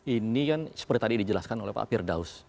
ini kan seperti tadi dijelaskan oleh pak firdaus